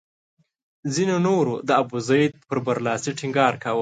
ځینو نورو د ابوزید پر برلاسي ټینګار کاوه.